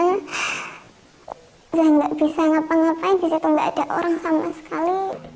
saya tidak bisa ngapa ngapain disitu tidak ada orang sama sekali